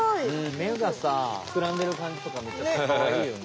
めがさふくらんでるかんじとかめっちゃかわいいよね。